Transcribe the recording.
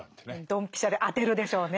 ドンピシャで当てるでしょうね。